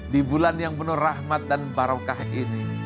di bulan yang penuh rahmat dan barokah ini